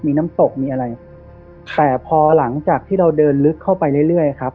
มีน้ำตกมีอะไรแต่พอหลังจากที่เราเดินลึกเข้าไปเรื่อยเรื่อยครับ